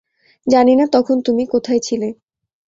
জানি না তখন তুমি কোথায় ছিলে।